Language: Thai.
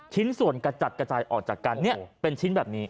ชิ้นส่วนกระจัดกระจายออกจากกันเป็นชิ้นแบบนี้